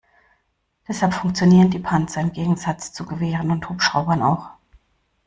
Deshalb funktionieren die Panzer im Gegensatz zu Gewehren und Hubschraubern auch.